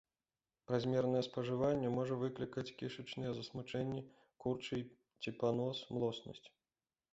Празмернае спажыванне можа выклікаць кішачныя засмучэнні, курчы ці панос, млоснасць.